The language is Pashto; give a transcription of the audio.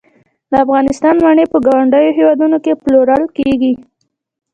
د افغانستان مڼې په ګاونډیو هیوادونو کې پلورل کیږي